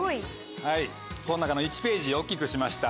この中の１ページ大きくしました。